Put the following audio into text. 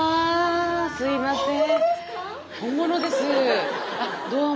すいません。